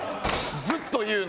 ずっと言うの？